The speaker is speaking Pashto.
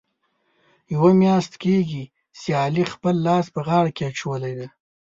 یوه میاشت کېږي، چې علي خپل لاس په غاړه کې اچولی دی.